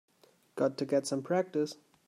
Got to get some practice.